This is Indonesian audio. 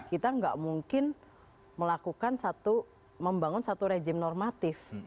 kita nggak mungkin melakukan satu membangun satu rejim normatif